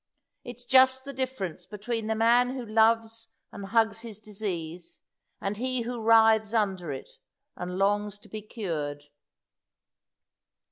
It's just the difference between the man who loves and hugs his disease and he who writhes under it, and longs to be cured."